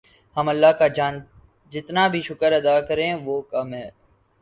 ہم اللہ کا جتنا بھی شکر ادا کریں وہ کم ہے